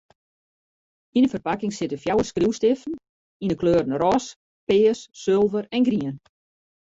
Yn in ferpakking sitte fjouwer skriuwstiften yn 'e kleuren rôs, pears, sulver en grien.